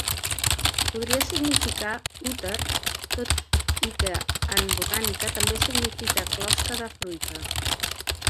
Podria significar 'úter', tot i que en botànica també significa 'closca' de fruita.